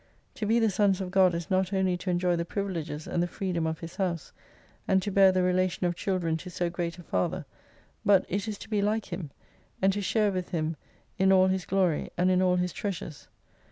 To be the Sons of God is not only to enjoy the privileges and the freedom of His house, and to bear the relation of children to so great a Father, but it is to be like Him, and to share with Him in all His glory, and in all His treasures.